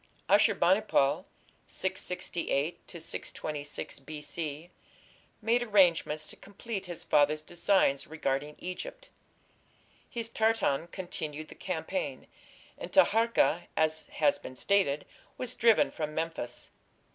Ashur bani pal (668 626 B.C.) made arrangements to complete his father's designs regarding Egypt. His Tartan continued the campaign, and Taharka, as has been stated, was driven from Memphis.